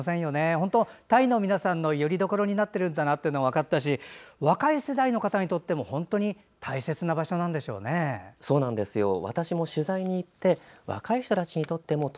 本当、タイの皆さんのよりどころになっているんだって分かったし若い世代の方にとっても、本当に大切な場所なんでしょうね。